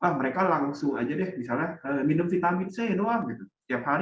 mereka langsung saja misalnya minum si tangan